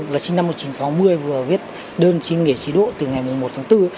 luật sinh năm một nghìn chín trăm sáu mươi vừa viết đơn xin nghỉ chế độ từ ngày một tháng bốn